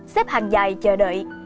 xếp hành dài chờ đợi